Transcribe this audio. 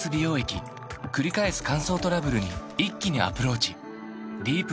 くり返す乾燥トラブルに一気にアプローチ